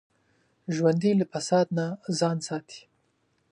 ژوندي له فساد نه ځان ساتي